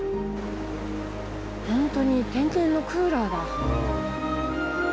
本当に天然のクーラーだ。